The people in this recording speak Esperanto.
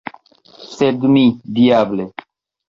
Sed mi, diable!